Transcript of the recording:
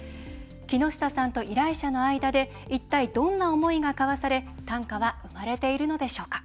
木下さんと依頼者の間で一体、どんな思いが交わされ短歌は生まれているのでしょうか。